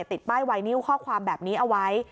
ติดป้ายไวนิวข้อความแบบนี้เอาไว้